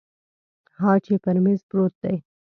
ها چې پر میز پروت دی